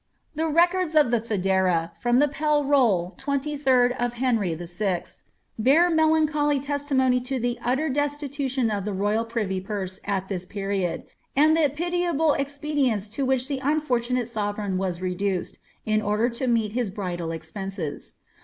The records in the Kwdera, from the Pell Hull, tSA of Henry Vl^ bear melancholy testlmcin)' to the uiter destitution of ibe myul urn? purse at this period, and the pitiable expedients In which the unlorKi uaie sovereign waa reduced, in onler lo meet his bridal expenses.